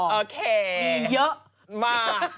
มีเยอะ